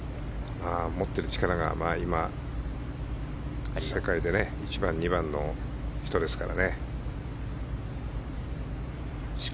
持っている力が世界で１番、２番の人ですから。